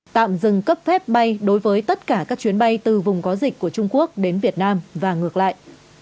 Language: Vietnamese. tạm dừng cấp phép bay đối với tất cả các chuyến bay từ vùng có dịch của trung quốc đến việt nam và ngược lại